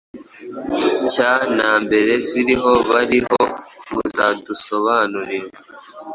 cya nambere ziriho bariho muzadusobanurire